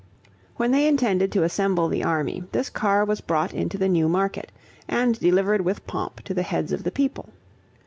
When they intended to assemble the army, this car was brought into the New Market, and delivered with pomp to the heads of the people.